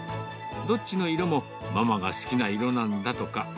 どっちの色も、ママが好きな色なんだとか。